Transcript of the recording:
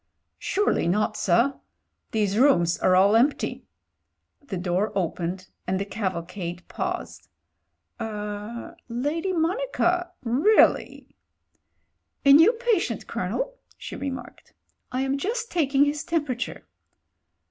€ti 'Surely not, sir. These rooms are all empty." The door opened and the cavalcade paused. "Er — ^Lady Monica ... really." "A new patient, Colonel," she remarked. "I am just taking his temperature."